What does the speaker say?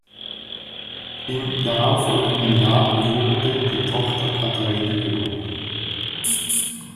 Im darauf folgenden Jahr wurde die Tochter Katharina geboren.